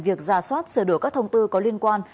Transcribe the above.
việc ra soát sửa đổi các thông tư có liên quan